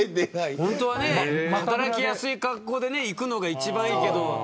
本当は働きやすい格好で行くのが一番いいけど。